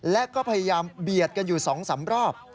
และก็พยายามเบียดกันอยู่๒๓รอบ